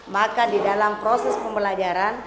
maka di dalam proses pembelajaran